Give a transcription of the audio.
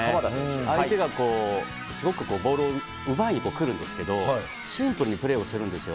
相手がすごくボールを奪いに来るんですけど、シンプルにプレーをするんですよ。